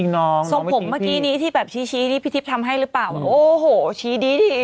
แล้วเมื่อนี้ที่แบบชี้ที่พี่ทิพย์ทำให้รึเปล่าโอ้โหชี้ดีสิ